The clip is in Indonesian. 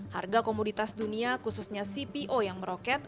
harga komoditas dunia khususnya cpo yang meroket